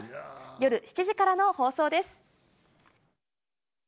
夜７時からの放送です。